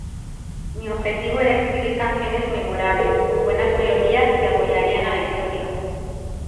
Mi objetivo era escribir canciones memorables con buenas melodías que apoyarían a la historia...